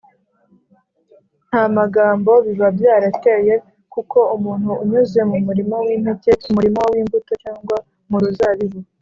nta magambo biba byarateye kuko umuntu unyuze mu murima w’impeke, mu murima w’imbuto cyangwa mu ruzabibu,